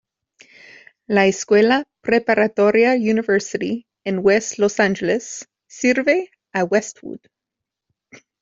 La Escuela Preparatoria University en West Los Angeles sirve a Westwood.